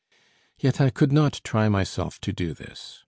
Yet I could not try myself to do this.